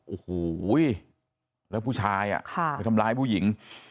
โอ้โหแล้วผู้ชายไปทำร้ายผู้หญิง